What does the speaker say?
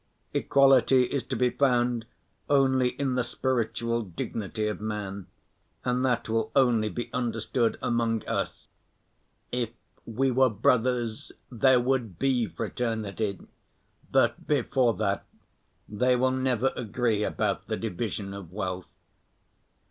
Equality is to be found only in the spiritual dignity of man, and that will only be understood among us. If we were brothers, there would be fraternity, but before that, they will never agree about the division of wealth.